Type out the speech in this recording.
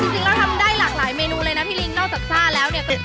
จริงแล้วทำได้หลากหลายเมนูเลยนะพี่ลิงนอกจากซ่าแล้วเนี่ย